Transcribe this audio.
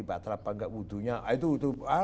batrapa nggak mudunya itu itu